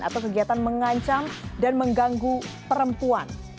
atau kegiatan mengancam dan mengganggu perempuan